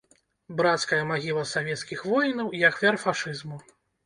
Брацкая магіла савецкіх воінаў і ахвяр фашызму.